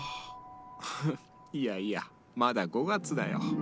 ふふっいやいやまだ５月だよ。